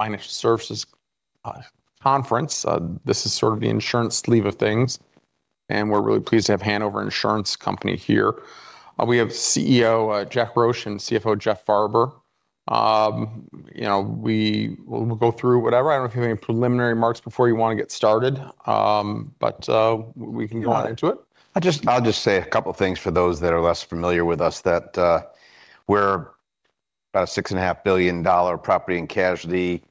Financial Services Conference. This is sort of the insurance sleeve of things, and we're really pleased to have Hanover Insurance Company here. We have CEO Jack Roche and CFO Jeff Farber. You know, we'll go through whatever. I don't know if you have any preliminary remarks before you want to get started, but we can go on into it. Yeah. I'll just say a couple of things for those that are less familiar with us, that we're about a $6.5 billion property and casualty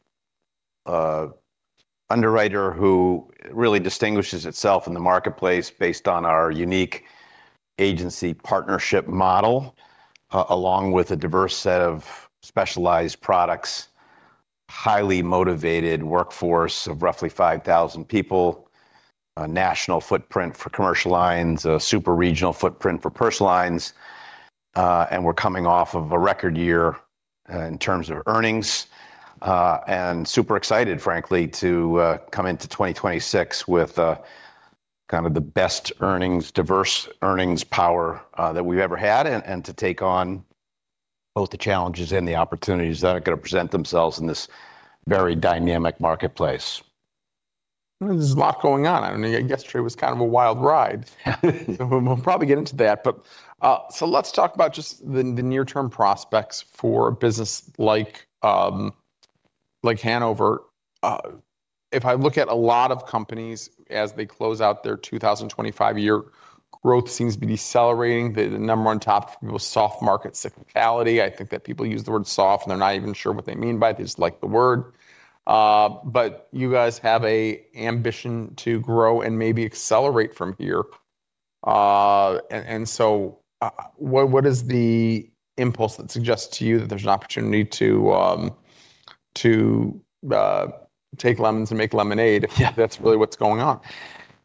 underwriter who really distinguishes itself in the marketplace based on our unique agency partnership model, along with a diverse set of specialized products, highly motivated workforce of roughly 5,000 people, a national footprint for Commercial Lines, a super regional footprint for Personal Lines. And we're coming off of a record year, in terms of earnings, and super excited, frankly, to come into 2026 with kind of the best earnings, diverse earnings power that we've ever had, and to take on both the challenges and the opportunities that are going to present themselves in this very dynamic marketplace. There's a lot going on. I don't know. Yesterday was kind of a wild ride, so we'll probably get into that. But, so let's talk about just the near-term prospects for a business like, like Hanover. If I look at a lot of companies as they close out their 2025 year, growth seems to be decelerating. The number one topic for people is soft market cyclicality. I think that people use the word soft, and they're not even sure what they mean by it. They just like the word. But you guys have an ambition to grow and maybe accelerate from here. And so, what is the impulse that suggests to you that there's an opportunity to, to, take lemons and make lemonade if that's really what's going on?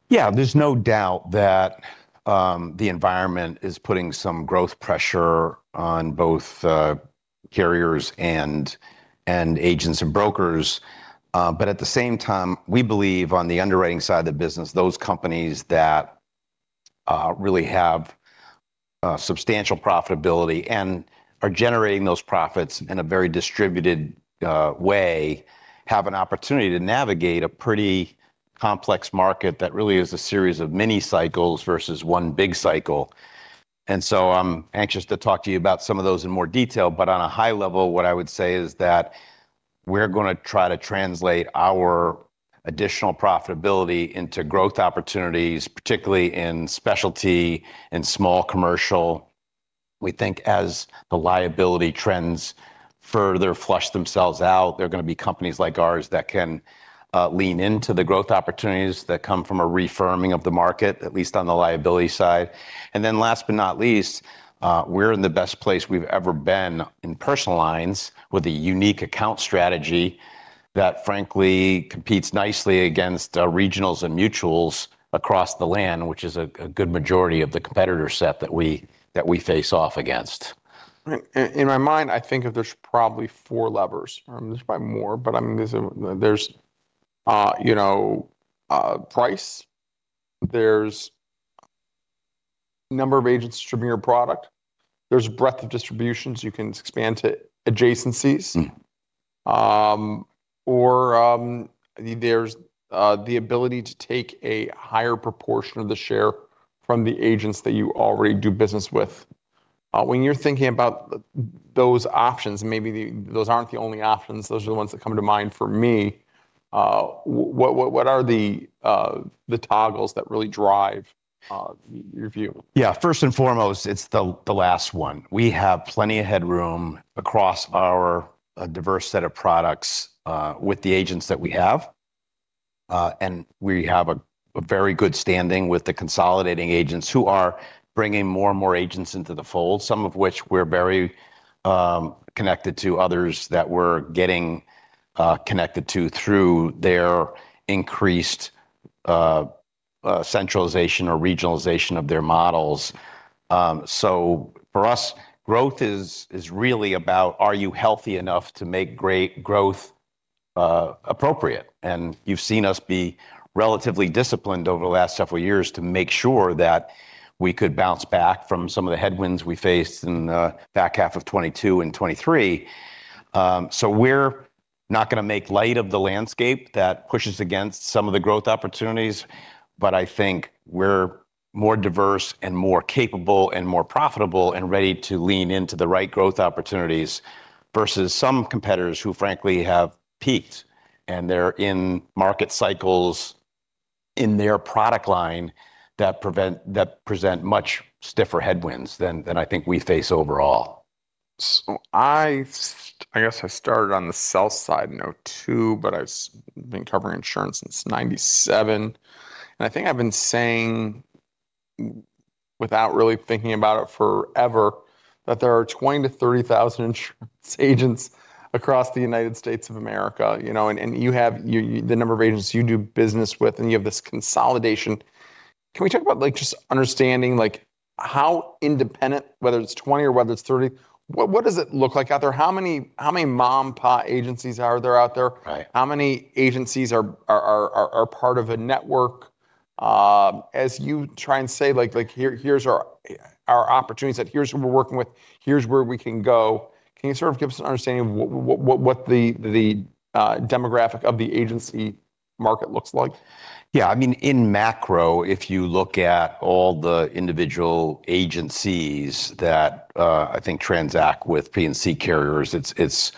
Yeah, there's no doubt that the environment is putting some growth pressure on both carriers and agents and brokers. But at the same time, we believe on the underwriting side of the business, those companies that really have substantial profitability and are generating those profits in a very distributed way have an opportunity to navigate a pretty complex market that really is a series of many cycles versus one big cycle. And so, anxious to talk to you about some of those in more detail. But on a high level, what I would say is that we're going to try to translate our additional profitability into growth opportunities, particularly in specialty and small commercial. We think as the liability trends further flush themselves out, there are going to be companies like ours that can, lean into the growth opportunities that come from a refirming of the market, at least on the liability side. And then last but not least, we're in the best place we've ever been in personal lines with a unique account strategy that, frankly, competes nicely against, regionals and mutuals across the land, which is a good majority of the competitor set that we face off against. Right. In my mind, I think of there's probably four levers. There's probably more, but I mean, there's price, there's number of agents distributing your product, there's breadth of distributions. You can expand to adjacencies, or, there's, the ability to take a higher proportion of the share from the agents that you already do business with. When you're thinking about those options, and maybe those aren't the only options, those are the ones that come to mind for me. What are the, the toggles that really drive, your view? Yeah, first and foremost, it's the last one. We have plenty of headroom across our diverse set of products, with the agents that we have. We have a very good standing with the consolidating agents who are bringing more and more agents into the fold, some of which we're very connected to, others that we're getting connected to through their increased centralization or regionalization of their models. For us, growth is really about are you healthy enough to make great growth appropriate? You've seen us be relatively disciplined over the last several years to make sure that we could bounce back from some of the headwinds we faced in the back half of 2022 and 2023. We're not going to make light of the landscape that pushes against some of the growth opportunities. But I think we're more diverse and more capable and more profitable and ready to lean into the right growth opportunities versus some competitors who, frankly, have peaked and they're in market cycles in their product line that present much stiffer headwinds than I think we face overall. So I guess I started on the sell-side note, too, but I've been covering insurance since 1997. And I think I've been saying, without really thinking about it forever, that there are 20,000-30,000 insurance agents across the United States of America. You know, and you have the number of agents you do business with, and you have this consolidation. Can we talk about, like, just understanding, like, how independent, whether it's 20 or whether it's 30, what does it look like out there? How many mom-and-pop agencies are there out there? How many agencies are part of a network? As you try and say, like, here's our opportunities that here's who we're working with, here's where we can go, can you sort of give us an understanding of what the demographic of the agency market looks like? Yeah, I mean, in macro, if you look at all the individual agencies that I think transact with P&C carriers, it's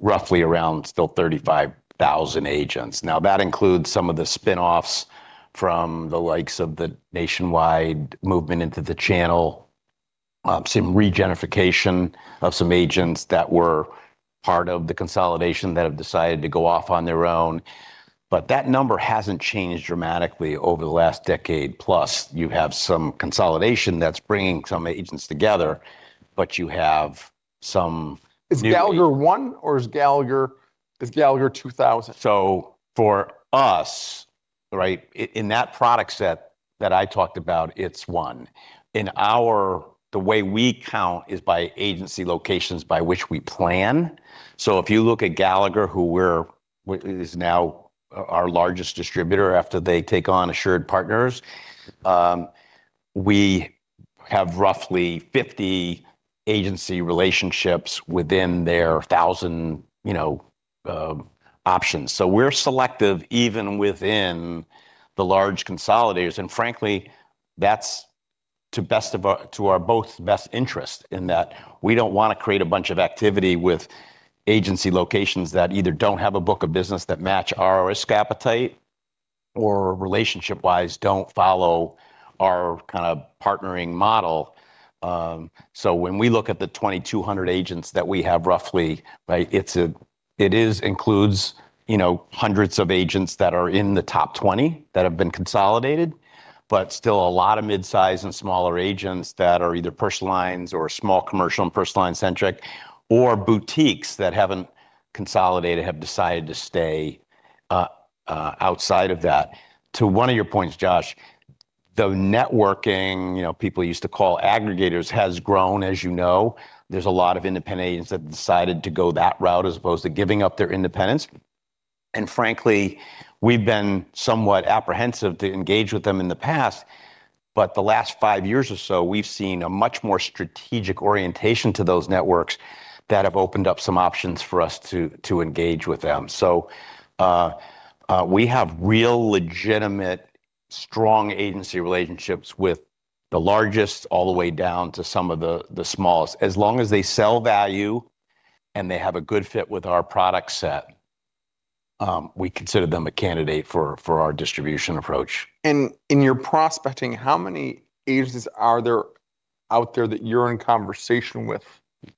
roughly around still 35,000 agents. Now, that includes some of the spinoffs from the likes of the Nationwide movement into the channel, some regeneration of some agents that were part of the consolidation that have decided to go off on their own. But that number hasn't changed dramatically over the last decade. Plus, you have some consolidation that's bringing some agents together, but you have some new. Is Gallagher one, or is Gallagher 2,000? So for us, right, in that product set that I talked about, it's one. The way we count is by agency locations by which we plan. So if you look at Gallagher, who is now our largest distributor after they take on AssuredPartners, we have roughly 50 agency relationships within their 1,000 options. So we're selective even within the large consolidators. And frankly, that's to our both best interest in that. We don't want to create a bunch of activity with agency locations that either don't have a book of business that match our risk appetite or relationship-wise don't follow our kind of partnering model. So when we look at the 2,200 agents that we have roughly, right, it includes, you know, hundreds of agents that are in the top 20 that have been consolidated, but still a lot of midsize and smaller agents that are either Personal Lines or Small Commercial and Personal Lines-centric, or boutiques that haven't consolidated, have decided to stay outside of that. To one of your points, Josh, the networking, you know, people used to call aggregators, has grown, as you know. There's a lot of independent agents that have decided to go that route as opposed to giving up their independence. And frankly, we've been somewhat apprehensive to engage with them in the past, but the last 5 years or so, we've seen a much more strategic orientation to those networks that have opened up some options for us to engage with them. So we have real, legitimate, strong agency relationships with the largest all the way down to some of the smallest. As long as they sell value and they have a good fit with our product set, we consider them a candidate for our distribution approach. In your prospecting, how many agents are there out there that you're in conversation with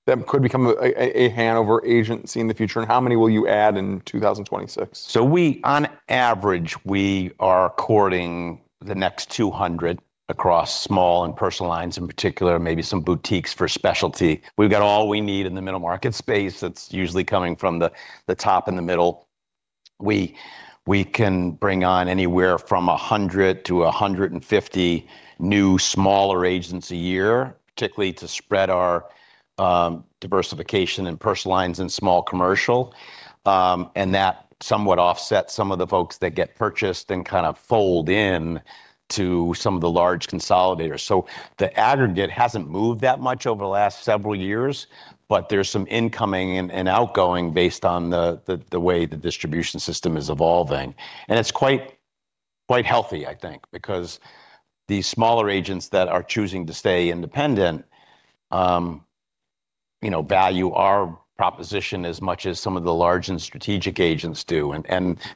that could become a Hanover agency in the future? How many will you add in 2026? So we, on average, we are courting the next 200 across small and personal lines in particular, maybe some boutiques for specialty. We've got all we need in the Middle Market space. That's usually coming from the top and the middle. We can bring on anywhere from 100-150 new smaller agents a year, particularly to spread our diversification in personal lines and small commercial. And that somewhat offsets some of the folks that get purchased and kind of fold in to some of the large consolidators. So the aggregate hasn't moved that much over the last several years, but there's some incoming and outgoing based on the way the distribution system is evolving. And it's quite healthy, I think, because these smaller agents that are choosing to stay independent, you know, value our proposition as much as some of the large and strategic agents do.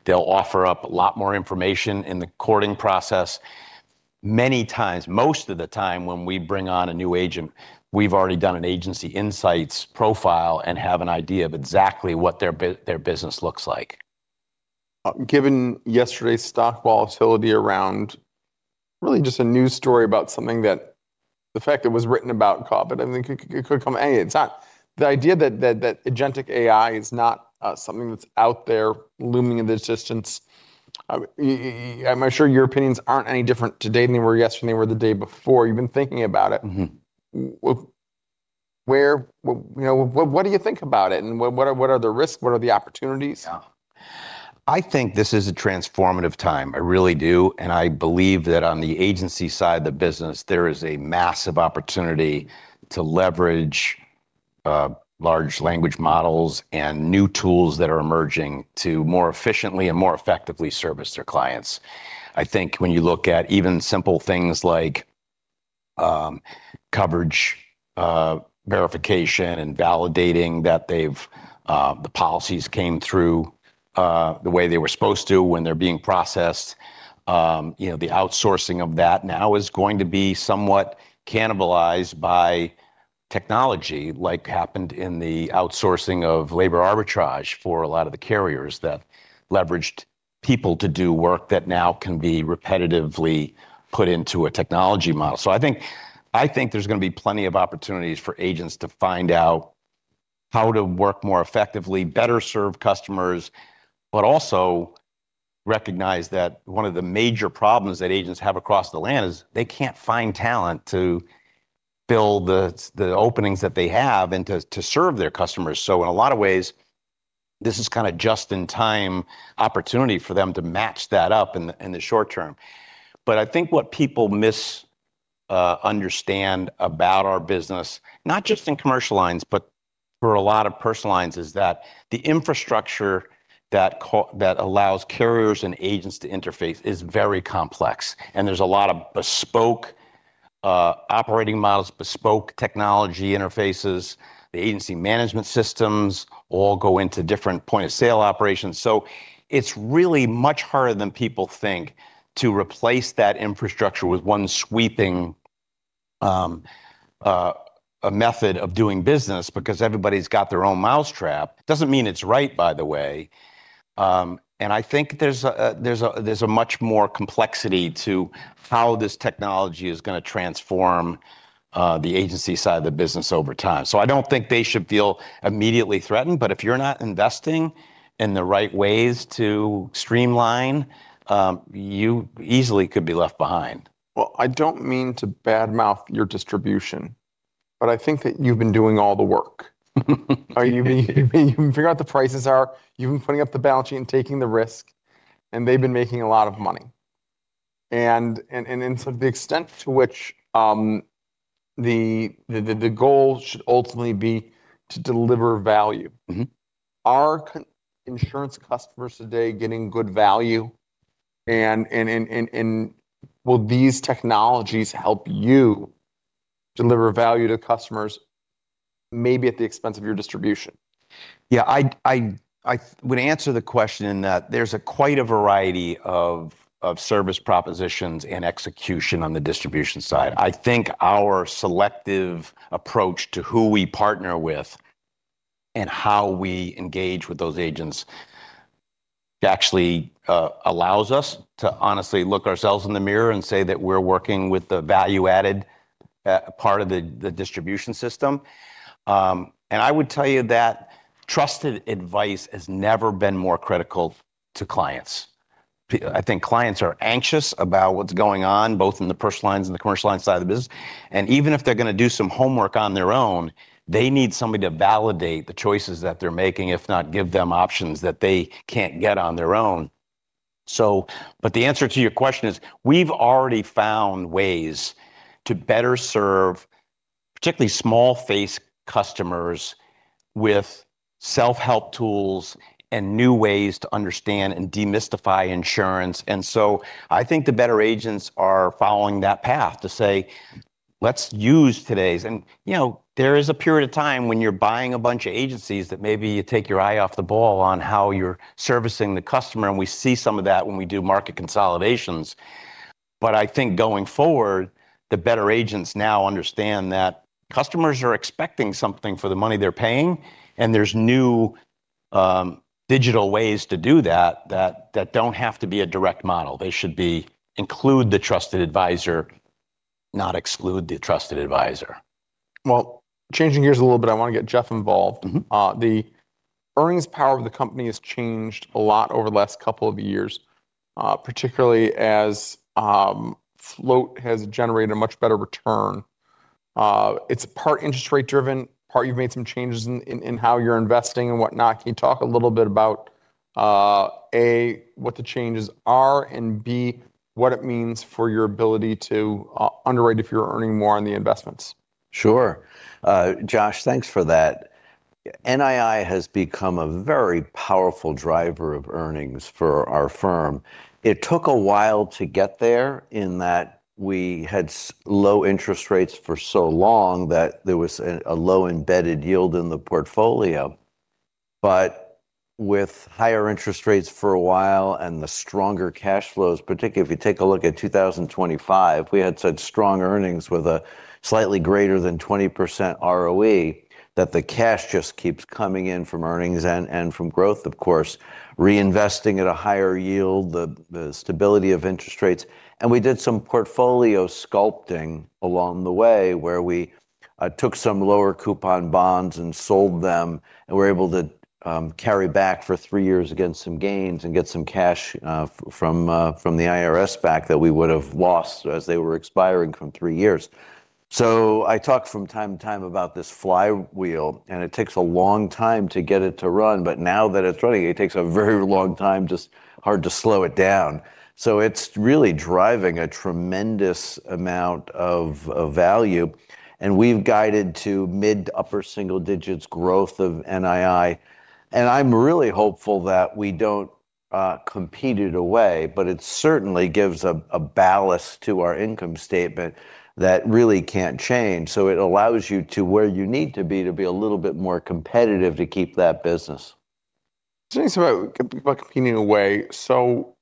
They'll offer up a lot more information in the courting process. Many times, most of the time when we bring on a new agent, we've already done an agency insights profile and have an idea of exactly what their business looks like. Given yesterday's stock volatility around really just a news story about something that the fact it was written about COVID, I mean, it could come anyway. The idea that agentic AI is not something that's out there looming in the distance, I'm sure your opinions aren't any different today than they were yesterday, they were the day before. You've been thinking about it. What do you think about it? And what are the risks? What are the opportunities? Yeah, I think this is a transformative time. I really do. And I believe that on the agency side of the business, there is a massive opportunity to leverage large language models and new tools that are emerging to more efficiently and more effectively service their clients. I think when you look at even simple things like coverage verification and validating that the policies came through the way they were supposed to when they're being processed, you know, the outsourcing of that now is going to be somewhat cannibalized by technology, like happened in the outsourcing of labor arbitrage for a lot of the carriers that leveraged people to do work that now can be repetitively put into a technology model. I think there's going to be plenty of opportunities for agents to find out how to work more effectively, better serve customers, but also recognize that one of the major problems that agents have across the land is they can't find talent to fill the openings that they have and to serve their customers. In a lot of ways, this is kind of just-in-time opportunity for them to match that up in the short term. I think what people misunderstand about our business, not just in Commercial Lines, but for a lot of Personal Lines, is that the infrastructure that allows carriers and agents to interface is very complex. There's a lot of bespoke operating models, bespoke technology interfaces. The agency management systems all go into different point-of-sale operations. It's really much harder than people think to replace that infrastructure with one sweeping method of doing business because everybody's got their own mousetrap. Doesn't mean it's right, by the way. I think there's a much more complexity to how this technology is going to transform the agency side of the business over time. I don't think they should feel immediately threatened. If you're not investing in the right ways to streamline, you easily could be left behind. Well, I don't mean to badmouth your distribution, but I think that you've been doing all the work. You've been figuring out what the prices are. You've been putting up the balance sheet and taking the risk, and they've been making a lot of money. In sort of the extent to which the goal should ultimately be to deliver value, are insurance customers today getting good value? Will these technologies help you deliver value to customers, maybe at the expense of your distribution? Yeah, I would answer the question in that there's quite a variety of service propositions and execution on the distribution side. I think our selective approach to who we partner with and how we engage with those agents actually allows us to honestly look ourselves in the mirror and say that we're working with the value-added part of the distribution system. And I would tell you that trusted advice has never been more critical to clients. I think clients are anxious about what's going on, both in the Personal Lines and the Commercial Lines side of the business. And even if they're going to do some homework on their own, they need somebody to validate the choices that they're making, if not give them options that they can't get on their own. But the answer to your question is, we've already found ways to better serve, particularly small business customers, with self-help tools and new ways to understand and demystify insurance. And so I think the better agents are following that path to say, let's use today's. And you know there is a period of time when you're buying a bunch of agencies that maybe you take your eye off the ball on how you're servicing the customer. And we see some of that when we do market consolidations. But I think going forward, the better agents now understand that customers are expecting something for the money they're paying, and there's new digital ways to do that that don't have to be a direct model. They should include the trusted advisor, not exclude the trusted advisor. Well, changing gears a little bit, I want to get Jeff involved. The earnings power of the company has changed a lot over the last couple of years, particularly as float has generated a much better return. It's part interest rate-driven, part you've made some changes in how you're investing and whatnot. Can you talk a little bit about, A, what the changes are and, B, what it means for your ability to underwrite if you're earning more on the investments? Sure. Josh, thanks for that. NII has become a very powerful driver of earnings for our firm. It took a while to get there in that we had low interest rates for so long that there was a low embedded yield in the portfolio. But with higher interest rates for a while and the stronger cash flows, particularly if you take a look at 2025, we had such strong earnings with a slightly greater than 20% ROE that the cash just keeps coming in from earnings and from growth, of course, reinvesting at a higher yield, the stability of interest rates. We did some portfolio sculpting along the way where we took some lower coupon bonds and sold them, and we're able to carry back for three years against some gains and get some cash from the IRS back that we would have lost as they were expiring from three years. I talk from time to time about this flywheel, and it takes a long time to get it to run. Now that it's running, it takes a very long time, just hard to slow it down. It's really driving a tremendous amount of value. We've guided to mid to upper single digits growth of NII. I'm really hopeful that we don't compete it away, but it certainly gives a ballast to our income statement that really can't change. So it allows you to where you need to be to be a little bit more competitive to keep that business. Interesting about competing away. So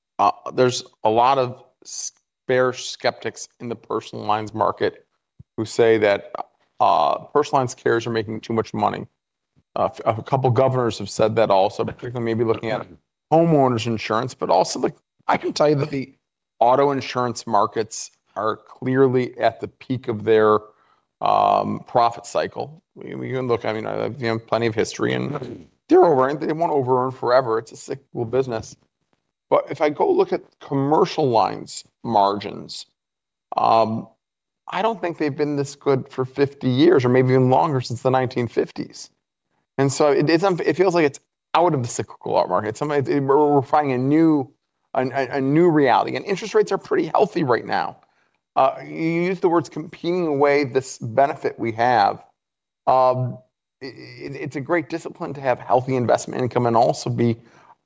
there's a lot of spare skeptics in the Personal Lines market who say that Personal Lines carriers are making too much money. A couple of governors have said that also, particularly maybe looking at Homeowners insurance. But also, I can tell you that the auto insurance markets are clearly at the peak of their profit cycle. We can look, I mean, they have plenty of history, and they won't over-earn forever. It's a sick little business. But if I go look at Commercial Lines margins, I don't think they've been this good for 50 years or maybe even longer since the 1950s. And so it feels like it's out of the cyclical art market. We're finding a new reality. And interest rates are pretty healthy right now. You use the words competing away, this benefit we have. It's a great discipline to have healthy investment income and also be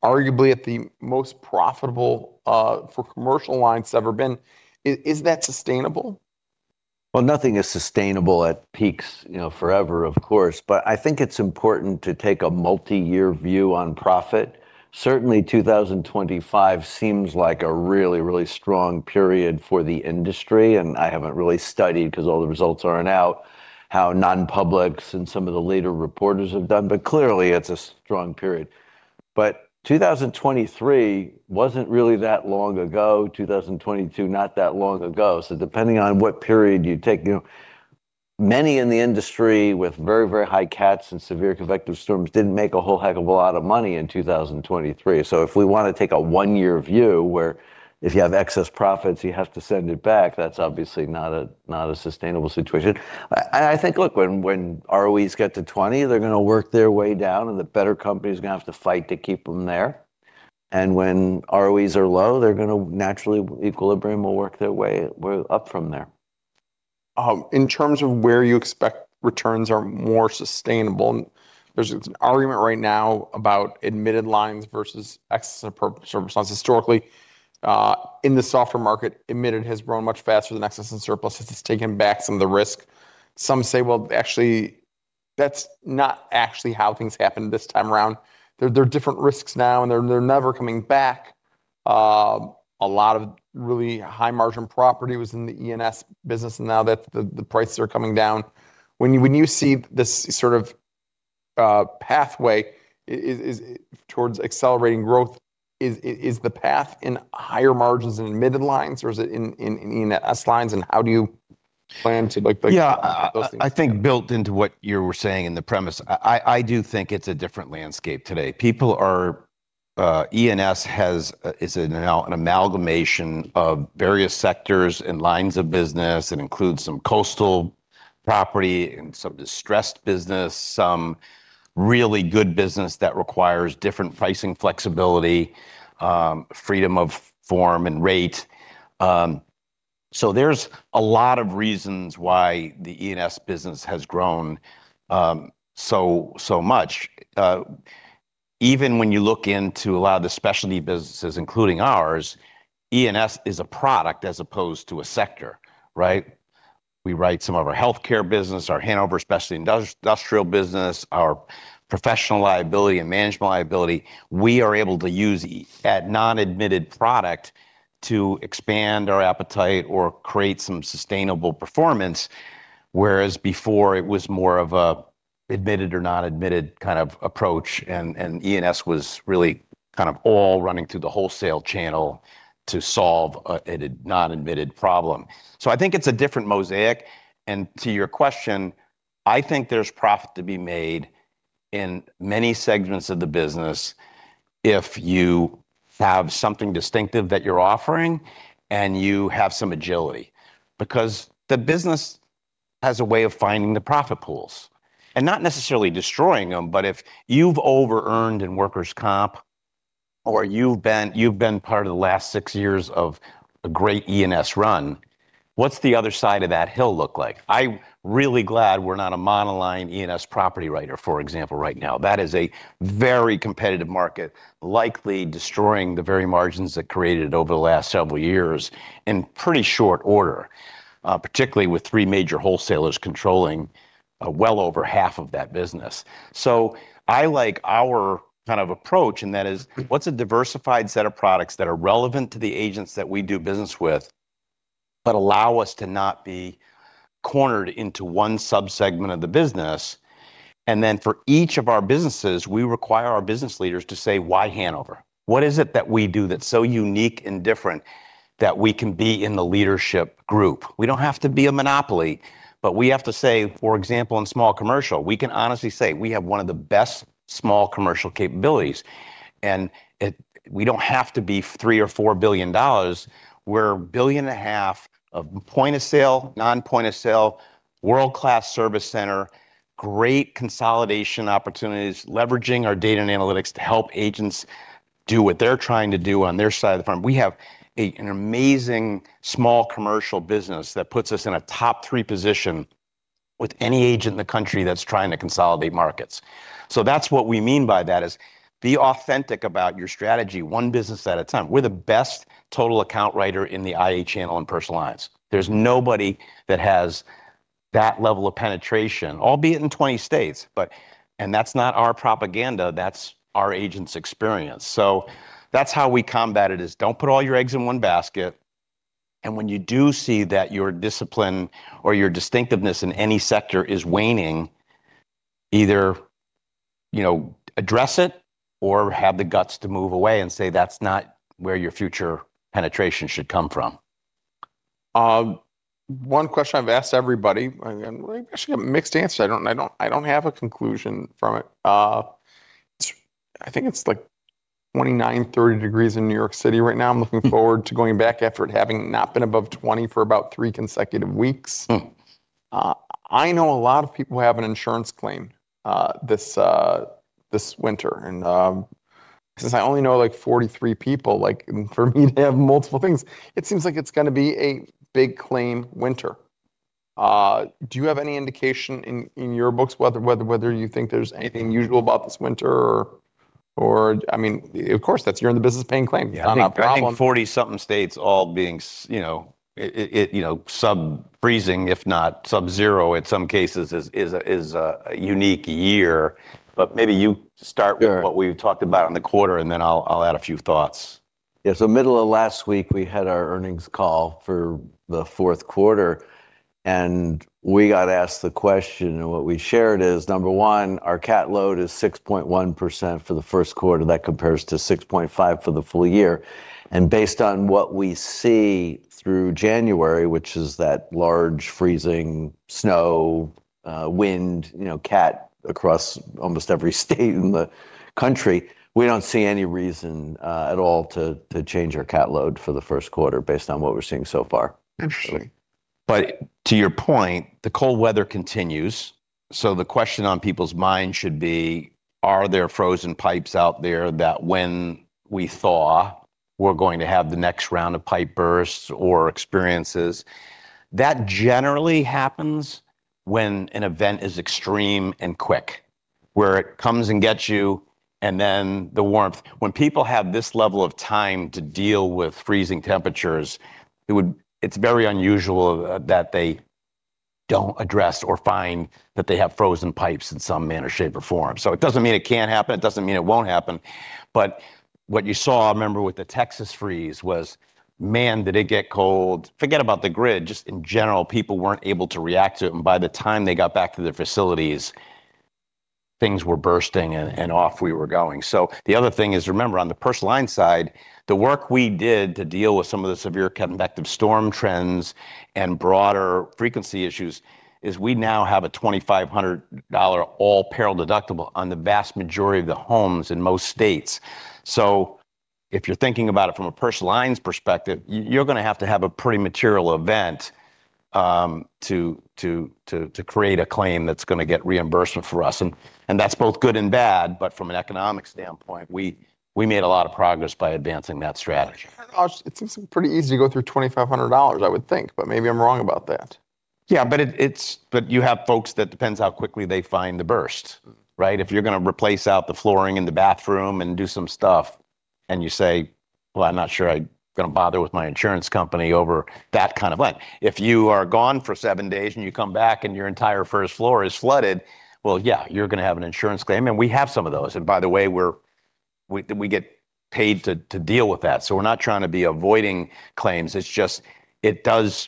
arguably at the most profitable for Commercial Lines ever been. Is that sustainable? Well, nothing is sustainable at peaks forever, of course. But I think it's important to take a multi-year view on profit. Certainly, 2025 seems like a really, really strong period for the industry. And I haven't really studied because all the results aren't out how non-publics and some of the later reporters have done. But clearly, it's a strong period. But 2023 wasn't really that long ago. 2022, not that long ago. So depending on what period you take, many in the industry with very, very high cats and severe convective storms didn't make a whole heck of a lot of money in 2023. So if we want to take a one-year view where if you have excess profits, you have to send it back, that's obviously not a sustainable situation. And I think, look, when ROEs get to 20, they're going to work their way down, and the better company is going to have to fight to keep them there. And when ROEs are low, they're going to naturally, equilibrium will work their way up from there. In terms of where you expect returns are more sustainable, there's an argument right now about Admitted Lines versus Excess and Surplus Lines. Historically, in the soft market, admitted has grown much faster than excess and surplus since it's taken back some of the risk. Some say, well, actually, that's not actually how things happened this time around. There are different risks now, and they're never coming back. A lot of really high-margin property was in the E&S business now that the prices are coming down. When you see this sort of pathway towards accelerating growth, is the path in higher margins in Admitted Lines, or is it in E&S Lines? And how do you plan to look at those things? Yeah, I think built into what you were saying in the premise, I do think it's a different landscape today. E&S is an amalgamation of various sectors and lines of business. It includes some coastal property and some distressed business, some really good business that requires different pricing flexibility, freedom of form and rate. So there's a lot of reasons why the E&S business has grown so much. Even when you look into a lot of the Specialty businesses, including ours, E&S is a product as opposed to a sector. We write some of our healthcare business, our Hanover Specialty Industrial business, our professional liability and management liability. We are able to use that non-admitted product to expand our appetite or create some sustainable performance, whereas before, it was more of an admitted or non-admitted kind of approach. And E&S was really kind of all running through the wholesale channel to solve a non-admitted problem. So I think it's a different mosaic. And to your question, I think there's profit to be made in many segments of the business if you have something distinctive that you're offering and you have some agility because the business has a way of finding the profit pools and not necessarily destroying them. But if you've over-earned in workers' comp or you've been part of the last six years of a great E&S run, what's the other side of that hill look like? I'm really glad we're not a monoline E&S property writer, for example, right now. That is a very competitive market, likely destroying the very margins that created it over the last several years in pretty short order, particularly with three major wholesalers controlling well over half of that business. So I like our kind of approach, and that is, what's a diversified set of products that are relevant to the agents that we do business with but allow us to not be cornered into one subsegment of the business? And then for each of our businesses, we require our business leaders to say, why Hanover? What is it that we do that's so unique and different that we can be in the leadership group? We don't have to be a monopoly, but we have to say, for example, in small commercial, we can honestly say we have one of the best small commercial capabilities. And we don't have to be $3-$4 billion. We're $1.5 billion of point-of-sale, non-point-of-sale, world-class service center, great consolidation opportunities, leveraging our data and analytics to help agents do what they're trying to do on their side of the firm. We have an amazing small commercial business that puts us in a top three position with any agent in the country that's trying to consolidate markets. So that's what we mean by that is be authentic about your strategy, one business at a time. We're the best total account writer in the IA channel in Personal Lines. There's nobody that has that level of penetration, albeit in 20 states. And that's not our propaganda. That's our agent's experience. So that's how we combat it is don't put all your eggs in one basket. And when you do see that your discipline or your distinctiveness in any sector is waning, either address it or have the guts to move away and say that's not where your future penetration should come from. One question I've asked everybody, and we actually got mixed answers. I don't have a conclusion from it. I think it's like 29, 30 degrees in New York City right now. I'm looking forward to going back after it having not been above 20 for about 3 consecutive weeks. I know a lot of people have an insurance claim this winter. And since I only know like 43 people, for me to have multiple things, it seems like it's going to be a big claim winter. Do you have any indication in your books whether you think there's anything unusual about this winter? I mean, of course, that's why you're in the business paying claims. Yeah, I think 40-something states all being sub-freezing, if not sub-zero in some cases, is a unique year. But maybe you start with what we've talked about in the quarter, and then I'll add a few thoughts. Yeah. Middle of last week, we had our earnings call for the fourth quarter. We got asked the question, and what we shared is, number one, our cat load is 6.1% for the first quarter. That compares to 6.5% for the full year. Based on what we see through January, which is that large freezing, snow, wind, cat across almost every state in the country, we don't see any reason at all to change our cat load for the first quarter based on what we're seeing so far. Interesting. But to your point, the cold weather continues. So the question on people's minds should be, are there frozen pipes out there that when we thaw, we're going to have the next round of pipe bursts or experiences? That generally happens when an event is extreme and quick, where it comes and gets you, and then the warmth. When people have this level of time to deal with freezing temperatures, it's very unusual that they don't address or find that they have frozen pipes in some manner, shape, or form. So it doesn't mean it can't happen. It doesn't mean it won't happen. But what you saw, I remember with the Texas freeze was, man, did it get cold? Forget about the grid. Just in general, people weren't able to react to it. By the time they got back to their facilities, things were bursting and off we were going. The other thing is, remember, on the personal line side, the work we did to deal with some of the severe convective storm trends and broader frequency issues is we now have a $2,500 all-peril deductible on the vast majority of the homes in most states. If you're thinking about it from a personal lines perspective, you're going to have to have a pretty material event to create a claim that's going to get reimbursement for us. That's both good and bad. From an economic standpoint, we made a lot of progress by advancing that strategy. It seems pretty easy to go through $2,500, I would think, but maybe I'm wrong about that. Yeah, but you have folks that depends how quickly they find the burst. If you're going to replace out the flooring in the bathroom and do some stuff, and you say, well, I'm not sure I'm going to bother with my insurance company over that kind of event. If you are gone for seven days and you come back and your entire first floor is flooded, well, yeah, you're going to have an insurance claim. And we have some of those. And by the way, we get paid to deal with that. So we're not trying to be avoiding claims. It's just it has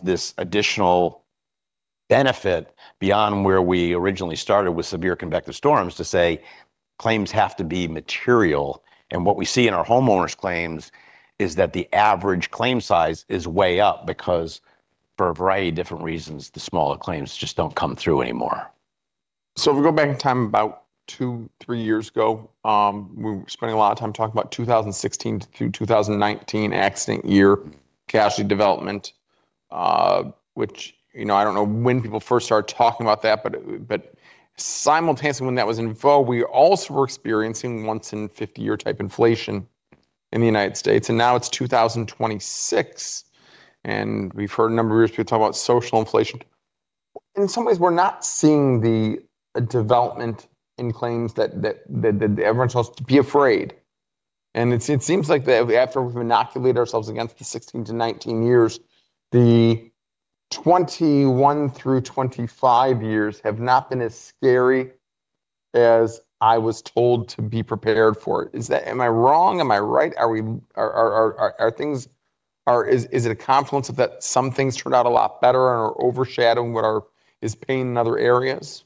this additional benefit beyond where we originally started with severe convective storms to say claims have to be material. What we see in our homeowners' claims is that the average claim size is way up because for a variety of different reasons, the smaller claims just don't come through anymore. So if we go back in time about 2-3 years ago, we were spending a lot of time talking about 2016 through 2019 accident year casualty development, which I don't know when people first started talking about that, but simultaneously when that was in vogue, we also were experiencing once-in-50-year type inflation in the United States. Now it's 2026. We've heard a number of years people talk about social inflation. In some ways, we're not seeing the development in claims that everyone else is to be afraid. It seems like after we've inoculated ourselves against the 2016-2019 years, the 2021-2025 years have not been as scary as I was told to be prepared for. Am I wrong? Am I right? Is it a confluence of that, some things turned out a lot better and are overshadowing what is pain in other areas?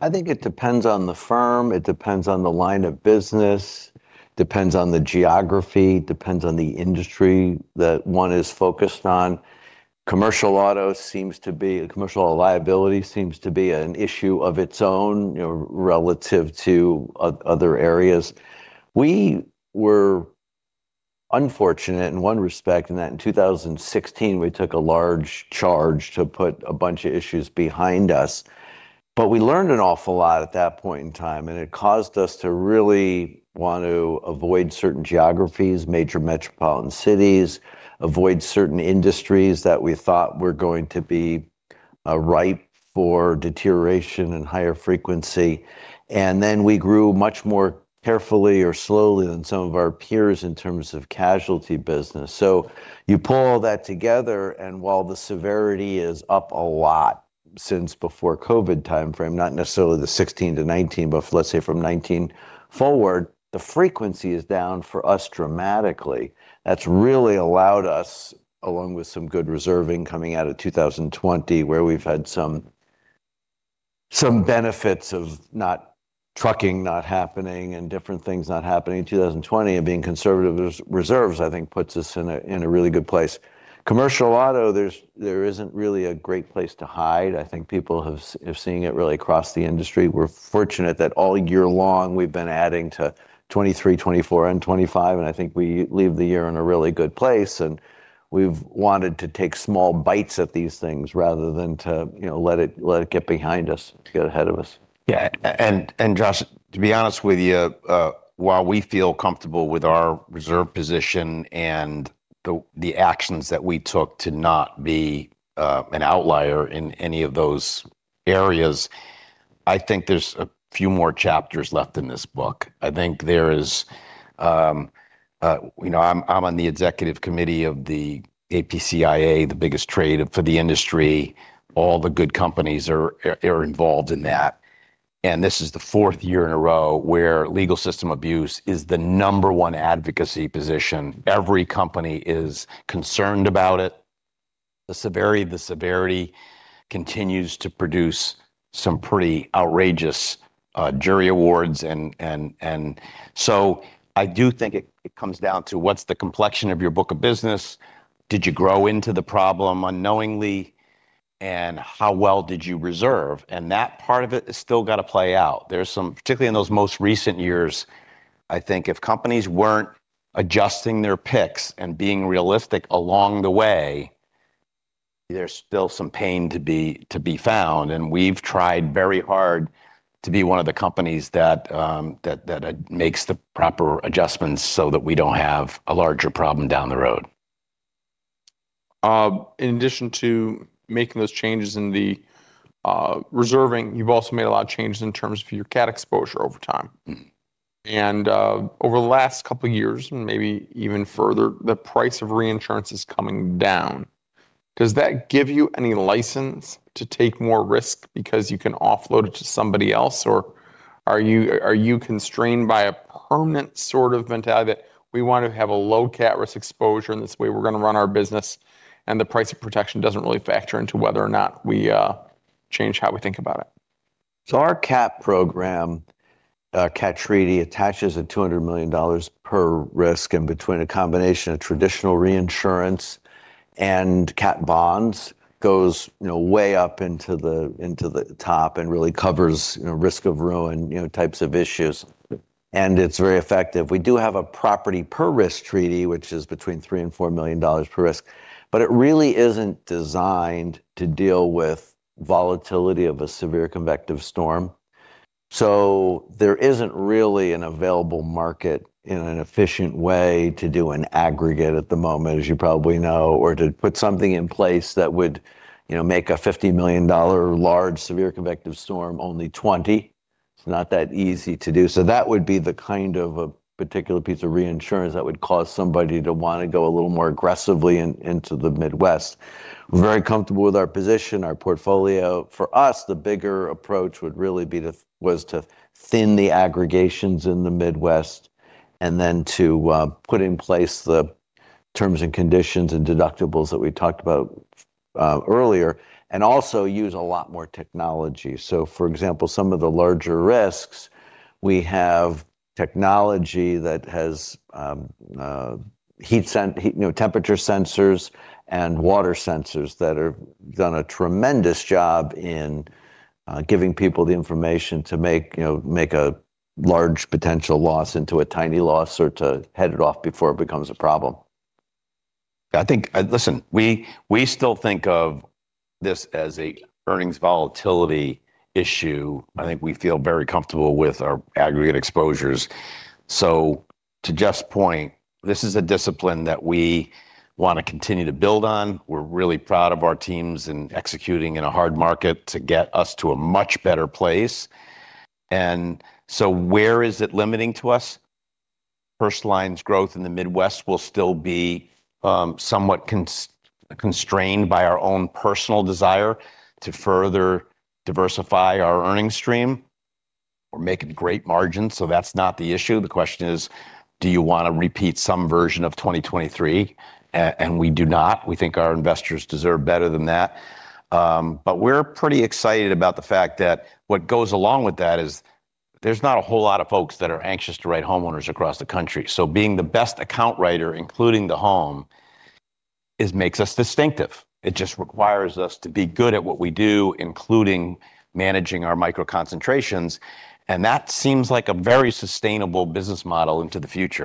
I think it depends on the firm. It depends on the line of business. It depends on the geography. It depends on the industry that one is focused on. Commercial Auto seems to be, commercial liability seems to be, an issue of its own relative to other areas. We were unfortunate in one respect in that in 2016, we took a large charge to put a bunch of issues behind us. But we learned an awful lot at that point in time, and it caused us to really want to avoid certain geographies, major metropolitan cities, avoid certain industries that we thought were going to be ripe for deterioration and higher frequency. And then we grew much more carefully or slowly than some of our peers in terms of casualty business. So you pull all that together, and while the severity is up a lot since before COVID timeframe, not necessarily the 2016-2019, but let's say from 2019 forward, the frequency is down for us dramatically. That's really allowed us, along with some good reserving coming out of 2020, where we've had some benefits of trucking not happening and different things not happening in 2020 and being conservative reserves, I think puts us in a really good place. Commercial Auto, there isn't really a great place to hide. I think people have seen it really across the industry. We're fortunate that all year long, we've been adding to 2023, 2024, and 2025. And I think we leave the year in a really good place. And we've wanted to take small bites at these things rather than to let it get behind us, get ahead of us. Yeah. And Josh, to be honest with you, while we feel comfortable with our reserve position and the actions that we took to not be an outlier in any of those areas, I think there's a few more chapters left in this book. I think there is. I'm on the executive committee of the APCIA, the biggest trade for the industry. All the good companies are involved in that. And this is the fourth year in a row where legal system abuse is the number one advocacy position. Every company is concerned about it. The severity, the severity continues to produce some pretty outrageous jury awards. And so I do think it comes down to what's the complexion of your book of business? Did you grow into the problem unknowingly? And how well did you reserve? And that part of it has still got to play out. Particularly in those most recent years, I think if companies weren't adjusting their picks and being realistic along the way, there's still some pain to be found. We've tried very hard to be one of the companies that makes the proper adjustments so that we don't have a larger problem down the road. In addition to making those changes in the reserving, you've also made a lot of changes in terms of your cat exposure over time. Over the last couple of years, and maybe even further, the price of reinsurance is coming down. Does that give you any license to take more risk because you can offload it to somebody else? Or are you constrained by a permanent sort of mentality that we want to have a low cat risk exposure, and this way we're going to run our business, and the price of protection doesn't really factor into whether or not we change how we think about it? So our Cat program, Cat Treaty, attaches a $200 million per risk in between a combination of traditional reinsurance and cat bonds, goes way up into the top and really covers risk of ruin types of issues. And it's very effective. We do have a property per risk treaty, which is between $3 million and $4 million per risk. But it really isn't designed to deal with volatility of a severe convective storm. So there isn't really an available market in an efficient way to do an aggregate at the moment, as you probably know, or to put something in place that would make a $50 million large severe convective storm only $20 million. It's not that easy to do. So that would be the kind of a particular piece of reinsurance that would cause somebody to want to go a little more aggressively into the Midwest. We're very comfortable with our position, our portfolio. For us, the bigger approach would really be to thin the aggregations in the Midwest and then to put in place the terms and conditions and deductibles that we talked about earlier and also use a lot more technology. So for example, some of the larger risks, we have technology that has temperature sensors and water sensors that have done a tremendous job in giving people the information to make a large potential loss into a tiny loss or to head it off before it becomes a problem. Listen, we still think of this as an earnings volatility issue. I think we feel very comfortable with our aggregate exposures. So to Jeff's point, this is a discipline that we want to continue to build on. We're really proud of our teams and executing in a hard market to get us to a much better place. And so where is it limiting to us? First lines growth in the Midwest will still be somewhat constrained by our own personal desire to further diversify our earnings stream or make it great margins. So that's not the issue. The question is, do you want to repeat some version of 2023? And we do not. We think our investors deserve better than that. But we're pretty excited about the fact that what goes along with that is there's not a whole lot of folks that are anxious to write homeowners across the country. So being the best account writer, including the home, makes us distinctive. It just requires us to be good at what we do, including managing our micro concentrations. And that seems like a very sustainable business model into the future.